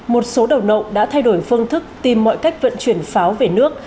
một số đầu nộng đã thay đổi phương thức tìm mọi cách vận chuyển pháo về nước